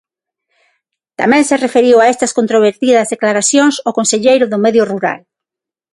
Tamén se referiu a estas controvertidas declaracións, o conselleiro do Medio Rural.